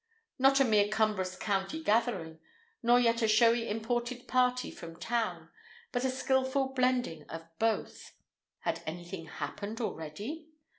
Not a mere cumbrous county gathering, nor yet a showy imported party from town, but a skillful blending of both. Had anything happened already?